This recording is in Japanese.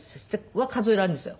は数えられるんですよ。